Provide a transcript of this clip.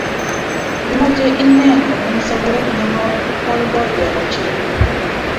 Kimache inne komeny sobet nebo boiboiyo ochei